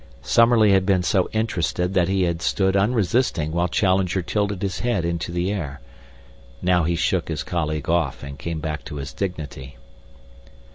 Summerlee had been so interested that he had stood unresisting while Challenger tilted his head into the air. Now he shook his colleague off and came back to his dignity.